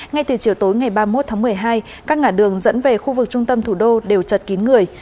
ngay từ chiều tối ngày ba mươi một tháng một mươi hai các ngã đường dẫn về khu vực trung tâm thủ đô đều chật kín người